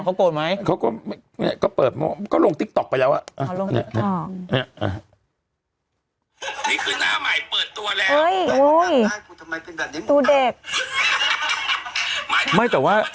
เขาโกรธไหมเขาก็เนี่ยก็เปิดก็ลงติ๊กต๊อกไปแล้วอ่ะอ๋อ